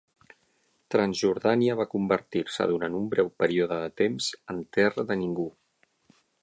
Transjordània va convertir-se durant un breu període de temps en terra de ningú.